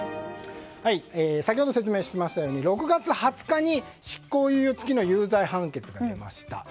先ほど説明しましたように６月２０日に執行猶予付きの有罪判決が出ました。